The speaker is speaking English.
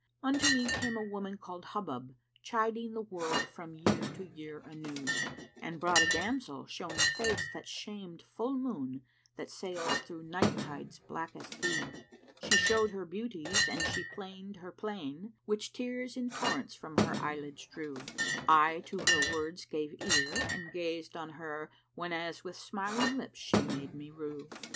Unto me came a woman called Hubúb * Chiding the world from year to year anew: And brought a damsel showing face that shamed * Full moon that sails through Night tide's blackest hue, She showed her beauties and she 'plained her plain * Which tears in torrents from her eyelids drew: I to her words gave ear and gazed on her * Whenas with smiling lips she made me rue.